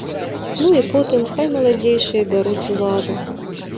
Ну і потым хай маладзейшыя бяруць уладу!